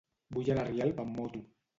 Vull anar a Rialp amb moto.